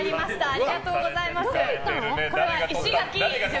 ありがとうございます。